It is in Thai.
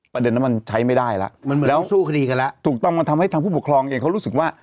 ประเด็นนั้นมันใช้ไม่ได้แล้วมันเหมือนแล้วสู้คดีกันแล้วถูกต้องมันทำให้ทางผู้ปกครองเองเขารู้สึกว่า